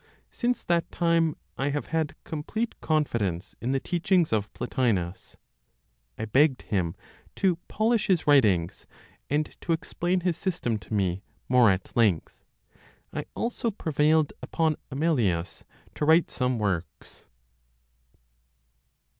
Since that time, I have had complete confidence in the teachings of Plotinos. I begged him to polish his writings, and to explain his system to me more at length. I also prevailed upon Amelius to write some works.